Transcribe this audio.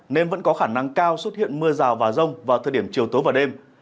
nên vẫn có khả năng cao xuất hiện mưa rào và rông vào thời điểm chiều tối và đêm